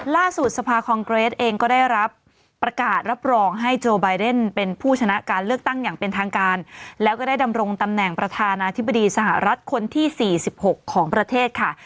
สภาคองเกรดเองก็ได้รับประกาศรับรองให้โจไบเดนเป็นผู้ชนะการเลือกตั้งอย่างเป็นทางการแล้วก็ได้ดำรงตำแหน่งประธานาธิบดีสหรัฐคนที่๔๖ของประเทศค่ะ